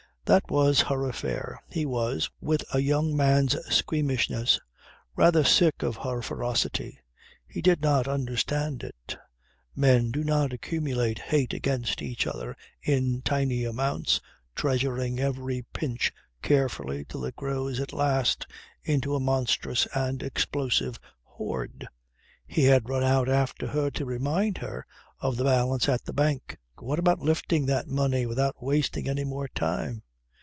That was her affair. He was, with a young man's squeamishness, rather sick of her ferocity. He did not understand it. Men do not accumulate hate against each other in tiny amounts, treasuring every pinch carefully till it grows at last into a monstrous and explosive hoard. He had run out after her to remind her of the balance at the bank. What about lifting that money without wasting any more time?